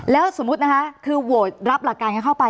แล้วสมมุตินะคะคือโหวตรับหลักการกันเข้าไป